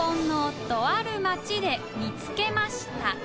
稙椶とある町で見つけました山下）